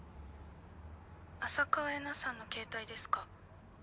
浅川恵那さんの携帯ですか？